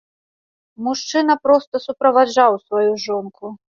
Мужчына проста суправаджаў сваю жонку.